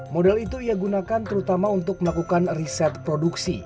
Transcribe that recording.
modal itu ia gunakan terutama untuk melakukan riset produksi